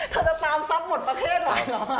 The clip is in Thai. เธอจะตามทรัพย์หมดประเภทเลยเนอะ